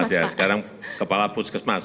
ya sekarang kepala puskesmas